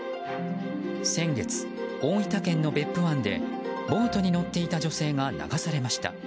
先月、大分県の別府湾でボートに乗っていた女性が流されました。